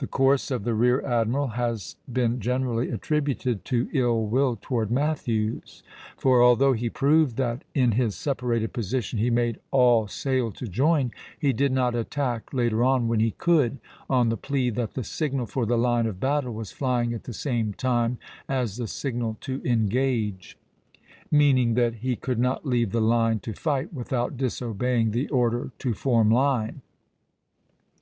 The course of the rear admiral has been generally attributed to ill will toward Matthews; for although he proved that in his separated position he made all sail to join, he did not attack later on when he could, on the plea that the signal for the line of battle was flying at the same time as the signal to engage; meaning that he could not leave the line to fight without disobeying the order to form line.